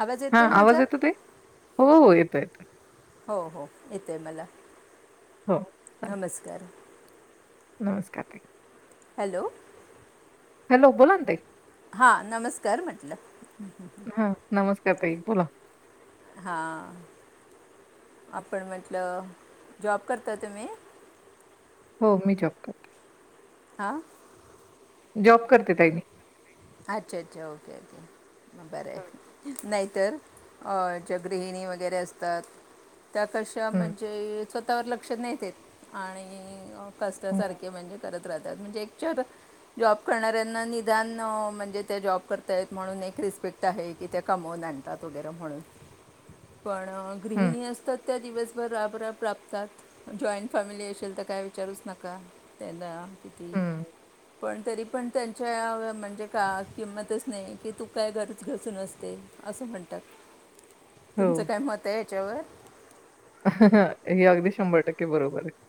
आवाज हा येतोय आवाज माझा येतो ते हो हो येत येतं हो हो येतय मला हो चालेल. नमस्कार नमस्कार त हॅलो हॅलो बोला ते हा नमस्कार म्हटलं हा नमस्कार ताईक बोला हां आपण म्हटलं जॉब करता तुम मीही हो मी चप कर हा जॉब करते तई म अच्छा अच्छा ओके ओके बरं हं, आहे नाहीतर ज गृहिणी वगैरे असतात त्या कशा हं, म्हणजे स्वतःवर लक्ष नेतेत आणि हं, ारे म्हणजे करत रातात म्हणजे एक जॉब करणाऱ्यां निदान म्हणजे त्या जॉब करतायत म्हणून एक रिस्पेक्ट आहे की ते कमवून आणतात वगैरे म्हणून पण हं, गृहिणी असतात त्या दिवसभर राबराब प्राप्त ात जॉईंट फॅमिली असेल तर काय विचारूच नका त्यांना किती हं. पण तरी पण त्यांच्याण म्हणजे का किंमतच नाही की तू काय गरज घसून असते असं म्हणतात तुमचं हो. काय मत आहे याच्यावर हे अगदी शंभर टक्के बरोबर आहे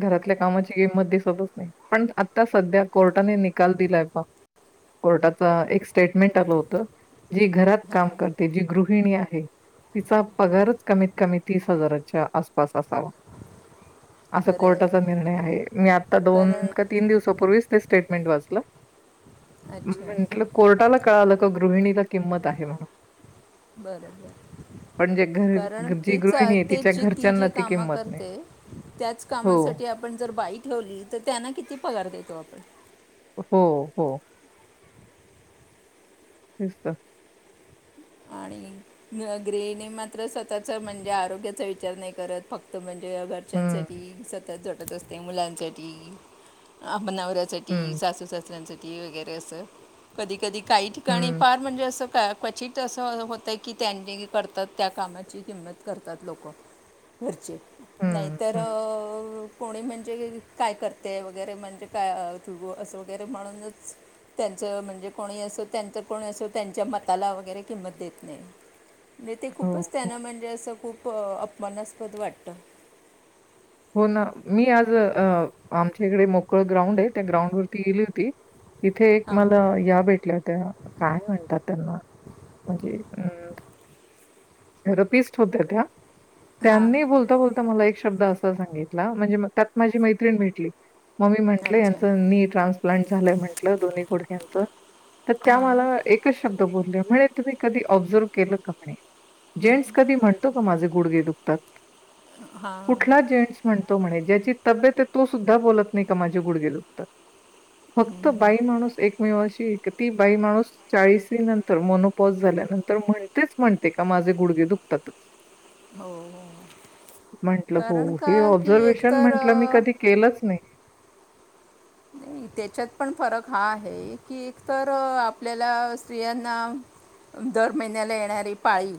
घरातल्या कामाची गिंमत दिसतच नाही पण आता सध्या कोर्टाने निकाल दिलाय बा कोर्टाचा एक स्टेटमेंट आलं होत जी घरात हां काम करते जी गृहिणी आहे तिचा पगारच कमी कमी तीसं हजारांच्या आंसपांस असं खरं कोटांचा आहे निर्णय आहे मी आतां दोन कारण तीनं तीनं दिवसांपूर्वीचं ते स्टेटमेंट वाचलं अच्छा म्हटलं कोर्टालां कळालं की गृहिणींलां किंमत आहे म्हणूंन बरंच पण जे झालं करं घर जी ते गृहिणी आहे तिच्या तेचं ती घरच्यांना जी कामं किंमत नाही. करतें त्याचं हो, कामांसाठी आपणं जरं बाई ठेवली तरं त्यांनां किती पगांर देतो आपणं हो हो तेचं तं आणि गृहिणीं मात्र स्वंतःच्यां म्हणजे आरोग्यांचा विचारं नाहीं करतं फक्तं तो म्हणजे हं, घरच्यांसांठी संततं झटतं असते मुलांसांठी आपणं नवऱ्यांसांठी हं, सासू सासंऱ्यांसांठी वगैरें असं कधीं कधीं कांहीं ठिकाणीं हं, फांर म्हणजे असं कायं क्वचितं असं होतंय की त्यांनीं करतांत त्यां कामांची किंमत करतांत लोकं घरचे नाहीं हं, तरं हं. अ कोणी म्हणजे कायं करतें वगैरें म्हणजे कायं असं वगैरें म्हणूनचं त्यांचं म्हणजे कोणी असो त्यांचं कोणी असो त्यांच्यां मं त्यांला वगैरें किंमत देतं नाहीं म्हणजे ते हो, खूपचं हो. त्यांनं म्हणजे असं खूंप प अपमानास्पंद वाटतं हो नां मी आंज आमच्यां इकडे मोकळं ग्राउंड आहे त्यां ग्राउंड वरती गेली होती तिथे एक मंला हां यां भेटल्यां कायं म्हणतांत मे हेरोपिस्टं होत्यां त्यां हां त्यांनी बोलतां बोलतां मंला एक शब्दं असां सांगितलां म्हणजे त्यांत माझी मैत्रिण भेटली मं मी म्हटलं अच्छा यांचं नी ट्रान्सप्लांट झालंय म्हटलं दोन्हीं गुडक्यांचं तरं त्यां हां मंला एकचं शब्दं बोलले म्हंणे तुम्हीं कधीं ऑब्झर्व केलं कां म्हंणे जेंअसं कधीं म्हणतो कां मांझे गुडगे दुखतांत हां कुंठलान जेंटसं म्हणतो म्हंणे ज्यांची तब्येत आहे तो सुद्धां बोलतं नाहीं कां मांझे गुंडगे दूंखतांत फक्तं बांई माणूंस एकमेवशी ती बांई माणूंसं चाळीसं नंतर मनोपॉज झाल्यांनंतर म्हणतेचं म्हणते कां मांझे गुडगे दुखतांतचं हो हो म्हटलं हो, कारणं कां की एकतरं केलंचं नाहीं नाहीं त्यांच्यात पणं फरक हां आहे की एकतरं आपल्यांला स्त्रियांनां दरं महिन्यांला येणांरी पाळी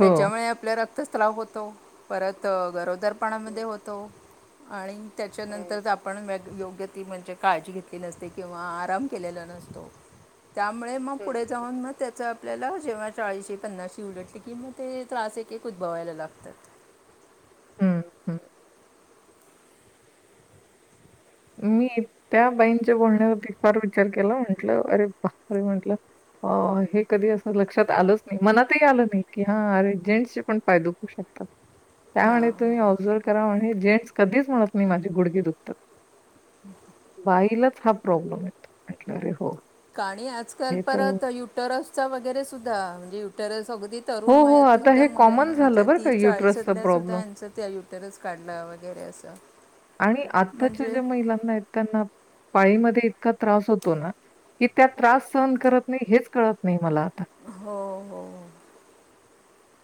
हो. आपलां रक्तस्राव होतो परंत गरोदरपणां मध्यें होतो आणि हं, त्यांच्यानंतर आपणं मेनं ग्लो गती म्हणजे काळजी घेतलेली नसते किंवा आरांम केलेलां नसतो त्यांमुळें मंग हं, हं, पुढे हं. जाऊंन त्यांचं आपल्यांला जेंव्हा चाळीसशे पन्नासशी उलटली की मंग ते त्रास एक एक उद्भवायंला लागतांत हम्मं हम्मं मी त्यां बाईंच्या बोलण्यांवरती फांर विचार केलां म्हंटलं अरे अरे म्हंटलं हे कधीं असं लक्षांत आलंच नाहीं मनांतही आलं नाहीं की हां अरे जेंटसंचे पणं पांय दुखते ह [unintelligible] त्यांमुळें तुम्हीं ऑब्झर्व करां म्हंण जेंटस कधीचं म्हणतं नाहीं की माझे गुडगे दुखतांत हम् [unintelligible] बाईलाचं हां प्रॉब्लेम होतं आहे म्हंटलां रे हो कांणी आंजकांल हे तर परंत युटरस चां वगैरें सुद्धां म्हणजे युटरस अगदीचं हो, तरुंण हो, वयांत आता सुद्धां हे कॉमन झालं मुलांच्या बरं का तीस युटरसचा चाळीसांतल्यां प्रॉब्लेम. सुद्धां यांचं त्यां य तरं रचं काढलं वगैरें असं आणि आत्ताच्या म्हणजे ज्या महिलांना आहेत त्यांना पाळीमध्ये इतका त्रास होतो ना की त्यात त्रास सहन करत नाही हेच कळत नाही मला हो हो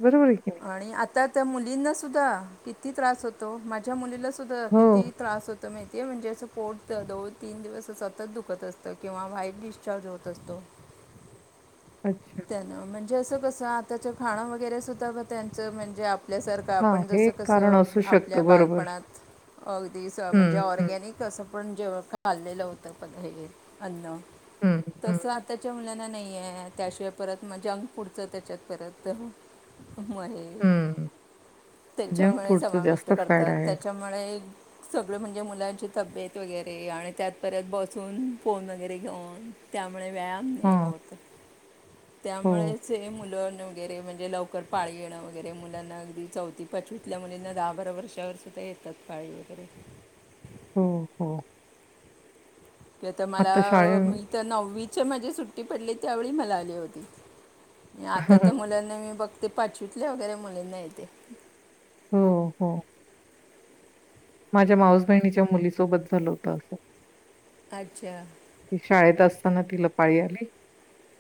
बरोंबर आणि आता त्या मुलींनासुद्धा किती त्रास होतो माझ्या मुलीलासुद्धा हो. किती त्रास होतो. तर माहिती आहे म्हणजे असं पोटत दोन तीन दिवस सतत दुखत असतं किंवा वाईट डिस्चार्ज होत असतो. अच्छा णजे अस कस आता खाणं वगरे सुधा त्यांच म्हणजे आपल्यासारं तर हां, आपण हे जसं एक कारण कसं असू आपल्या शकतं. बरोबर. बालपणात अगदी स म्हणजे हं, हं, ऑर्गॅनिक कसं पण जेव खललेलं होतं पण हे अन्न हं, हं, तस आताच्या मुलांना नाहीय त्याशिवाय परत मग जंक फूडचं त्याच्यात परत महे हं. जंक त्याच्यामुळे फूडचं समाविष्ट जास्त फॅड करतात आहे. त्याच्यामुळे सगळं म्हणजे मुलांची तब्येत वगैरे आणि त्यातपर्त बसून फोन वगैरे घेऊन. त्यामुळे व्यायाम नाही हां. होत हो, त्यामुळेच हे मुलं नव्ह. वगैरे म्हणजे लवकर पाळी येणं वगैरे मुलांना अगदी चौथी पचवीतल्या मुलींना दहा बारा वर्षावर सुद्धा येतात. पाळी वगैरे हो हो तर मला आता शाळे इथ नववीच्या माझी सुट्टी पडली त्यावेळी मला आली होती. आता तर मुलांना मी बघते पाचवीतल्या वगैरे मुलींना य ते हो हो माझ्या माऊस बहिणीच्या मुलीसोबत झालं होतं असं. अच्छा शाळेत असताना ती लपाळी आली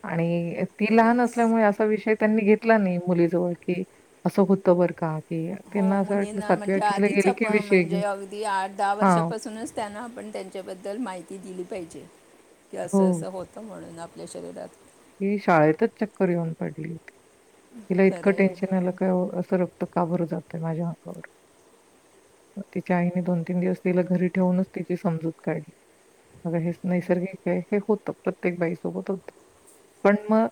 आणि ती लहान खरंच असल्यामुळे असा विषय त्यांनी घेतला नाही मुली जवळ की असं होतं बर का की हो त्यांना असं वाटलं मुलींना म्हणजे ला आधीच गेली की आपण विषय घेऊ. म्हणजे अगदी आठ दहा हां. वर्षापासूनच त्यांना आपण त्यांच्याबद्दल माहिती दिली पाहिजे की असं हो. असं होत. म्हणून आपल्या शरीरात ती शाळेतच चक्कर येऊन पडली होती तिला खरं इतकं आहे टेन्शन आलं काय असं. तो काबरू जातोय माझ्या हकावर तिच्या आईने दोन तीन दिवस तिला घरी ठेवूनच तिची समजूत काढली. अग हेच नैसर्गिक आहे हे होत प्रत्येक बाईसोबत होत पण मग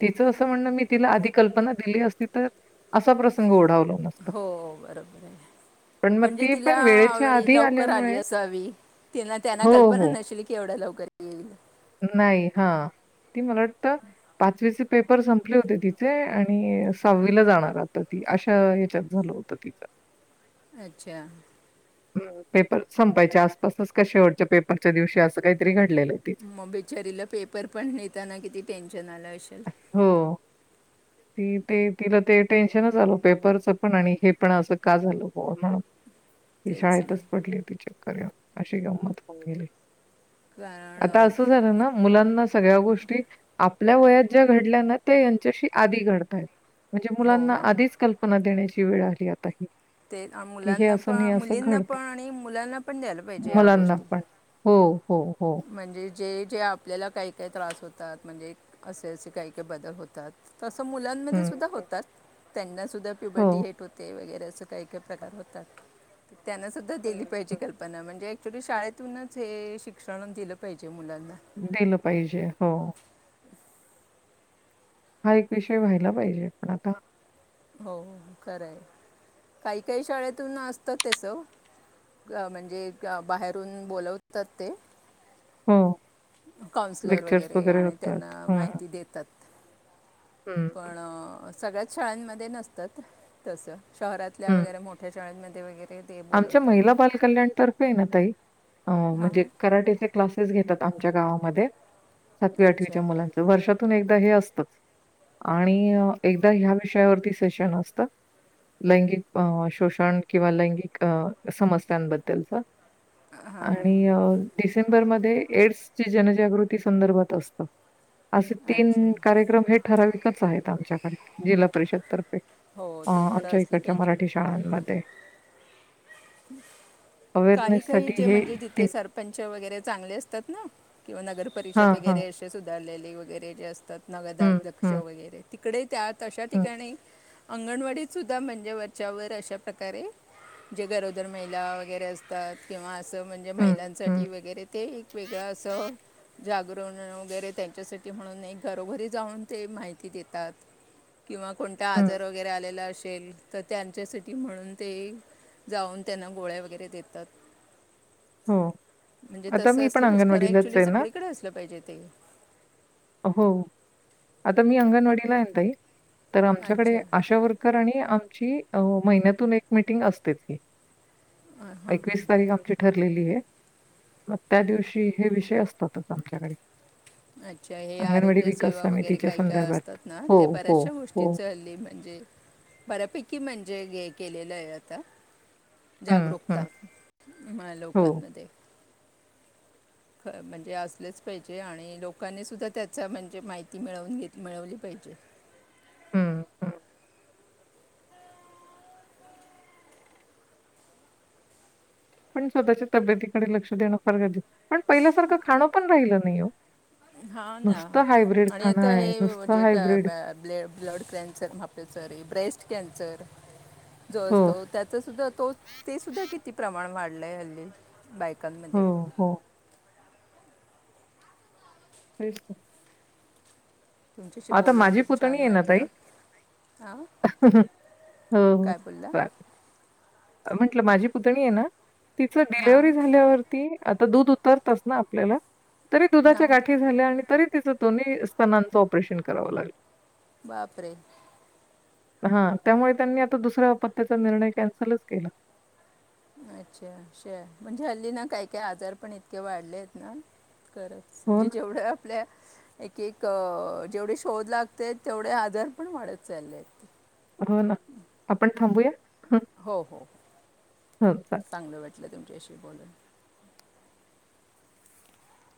तिचं असं म्हणणं मी तिला आधी कल्पना दिली असती तर असा प्रसंग ओढावलो. हो बरोबर आहे पण मग म्हणजे ती तिला पण वेळेच्या वेळी आधी लवकर आली आल्यामुळे असा हवी. त्यांना हो, कल्पना हो. नशील की एवढं लवकर येईल. नाही हा ती मला वाटत. पाचवीचे पेपर संपले होते तिचे आणि सहावीला जाणार आता ती अशा याच्यात. झालं होतं तिचा अच्छा पेपर संपायच्या आसपासच कश वटच्या पेपरच्या दिवशी असं काहीतरी घडलेलं आहे त. मग बिचारीला पेपर पण नेताना किती टेन्शन आलं असेल. हो ती ते तिला ते टेन्शनच आल पेपरचं पण आणि हे पण असं का झालं हो म्हणून ती तेच ना शाळेतच पडली ती चक्कर या अशी गंमत होऊन गेली. कारण आता अ, असं झालं ना मुलांना सगळ्या गोष्टी आपल्या वयात. जे घडलंना ते यांच्याशी आधि घडतंय म्हणजे हो मुलांना हो आधिच कल्पना ना देण्याची वेळ आली आता ह ते मुलांना पण मुलींना पण आणि मुलांना पण द्यायला पाहिजे या मुलांना गोष्टी. पण. हो हो हो म्हणजे जे जे आपल्याला काही काही त्रास होतात. म्हणजे असे असे काही काही बदल होतात. तं मुलांमध्ये हं, सुद्धा हं. होतात त्यांना सुुद्धा हो. प्युबर्टी हेट होते वगैरे असं काही काही प्रकार होतात त्यांना सुद्धा दिली हं, पाहिजे हं. क पण म्हणजे ऍक्च्युली शाळेतूनच हे शिक्षण दिलं पाहिजे मुलांना. दिलं पाहिजे हो. हा एक विषय व्हायला पाहिजे पण आता हो खरं आहे. काही काही शाळेतून असतं तेसं म्हणजे बाहेरून बोलवतात ते. हो. काउन्सिलर लेक्चर्स वगैरे आणि त्यांना होतात. माहिती देतात‌. हम्! पण अ सगळ्याच शाळांमध्ये नसतात. तसं. शहरातल्या हं. वगैरे मोठ्या शाळांमध्ये वगैरे ते आमच्या महिला बोलवतात बालकल्याणतर्फे आहे नं ताई अ म्हणजे हां कराट्याचे क्लासेस घेतात, आमच्या गावामध्ये. सातवी अच्छा -आठवीच्या मुलांचं, वर्षातून एकदा हे असतं आणि एकदा ह्या विषयावरती सेशन असतं. लैंगिक शोषण किंवा लैंगिक अ समस्यांबद्दलच आणि अ डिसेंबर मध्ये एड्स ची जनजागृती संदर्भात असत. असे तीन अच्छा कार्यक्रम हे ठराविकच आहेत आमच्याकडे जिल्हा परिषदतर्फे. हो अ ते खरं आमच्या असलं इकडच्या पाहिजे मराठी शाळांमध्ये. काही काही अवेअरनेससाठी जे हे म्हणजे ते जिथे सर पंच वगैरे चांगले असतात ना किंवा नगर हां, पररिषद हां. वगैरे असे सुधारलेले वगैरे जे असतात. नगदा हं, दक्ष हं, वगैरे तिकडे त्यात अशा हं, ठिकाणी अंगणवाडीतसुद्धा म्हणजे वरच्यावर अशा प्रकारे जे गरोदर महिला वगैरे असतात. किंवा असं म्हणजे हं, हं, महिलांसाठी वगैरे ते, एक वेगळं असं जागरण वगैरे त्यांच्यासाठी म्हणून एक घरोघरी जाऊन, ते माहिती देतात. किंवा कोणता हं. आजार वगैरे आलेला असेल, तर त्यांच्यासाठी म्हणून ते जाऊन त्यांना, गोळ्या वगैरे देतात. हो. म्हणजे आता तसं मी पण असलं म्हणजे खरं अंगणवाडीलाच ऍक्च्युली आहे ना? सगळीकडे असलं पाहिजे ते. अहो. आता मी अंगणवाडीला आहे नं ताई, तर आमच्याकडे अच्छा आशावर कर आणि आमची महिन्यातून एक मीटिंग असते. अं, एकवीसं तारीख आमची ठरलेली आहे. मग त्या दिवशी, हे विषय असतातच आमच्याकडे. अच्छा हे अंगणवाडी आरोग्य विकास सेवा वगैरे समितीच्या काय काय संदर्भात. असतात ना, हो, ते हो, बऱ्याचशा हो. गोष्टीच हल्ली म्हणजे बऱ्यापैकी म्हणजे गे, केलेलं आहे आता. हं, जागरूकता हं. आम्हा हो. लोकांमध्ये. म्हणजे असलेच पाहिजे. आणि लोकांनी सुद्धा त्याचा म्हणजे माहिती मिळवून घेत मिळवली पाहिजे. हं, हं. पण स्वतःच्या तब्येतीकडे लक्ष देणं फार गरजेच, पण पहिल्यासारखं खाणं पण राहिलं नाही हे. हा, ना. आणि खाणं आता आहे, हे. नुसतं जे काय hybrid. [unintelligible] ब्ले.. blood cancer, [unintelligible] breast cancer जो हो, असतो त्याचंसुद्धा तो तेसुद्धा किती प्रमाण वाढलंय हल्ली हो, बायकांमध्ये. हो. तेच तर. तुमच्याशी आता बोलून माझी खूप पुतणी छान आहे ना ताई वाटलं हां हम हो काय बोलला बर. म्हटलं माझी पुतणी आहे ना, तिचं हां डिलेव्हरी झाल्यावर आता दूध उतरतंच ना आपल्याला, तरी दुधाच्या हां गाठी झाल्या आणि तरी तिचं, दोन्ही स्तनांचं ऑपरेशन करावं लागलं. बापरे! [inaudible] हा, त्यामुळे त्यांनी आता दुसऱ्या आपत्याचा निर्णय कॅन्सलंच केला. अच्छा, असं आहे. ‌ म्हणजे हल्ली ना काय-काय आजार पण इतके वाढले आहेत ना, खरचं. हो म्हणजे ना, जेवढं आपल्या एक-एक अ.. जेवढे शोध लागतेत, तेवढे आजारपण वाढत चाललेत. हो, ना. आपण थांबूया? हं, हो-हो हं, चालेल. चांगलं वाटलं, तुमच्याशी बोलून.